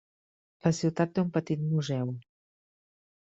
La ciutat té un petit museu.